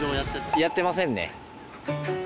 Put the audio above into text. やってませんね。